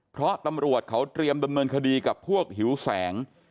เพราะตำรวจเขาเตรียมดำเนินคดีกับพวกหิวแสง